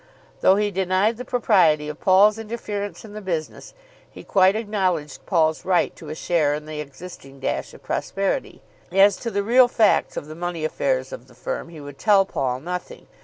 Though he denied the propriety of Paul's interference in the business, he quite acknowledged Paul's right to a share in the existing dash of prosperity. As to the real facts of the money affairs of the firm he would tell Paul nothing.